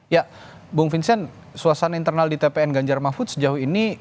ya bung vincent suasana internal di tpn ganjar mahfud sejauh ini